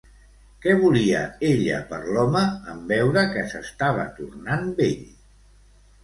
Què volia ella per l'home, en veure que s'estava tornant vell?